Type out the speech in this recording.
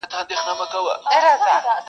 • تا ول زه به یارته زولنې د کاکل واغوندم ,